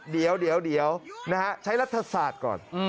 เดี๋ยวใช้รัฐศาสตร์ก่อน